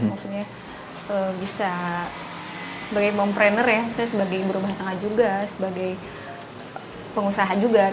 maksudnya bisa sebagai mom trainer ya misalnya sebagai berubah tangga juga sebagai pengusaha juga